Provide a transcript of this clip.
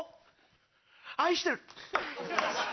愛してる。